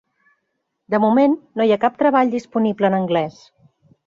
De moment no hi ha cap treball disponible en anglès.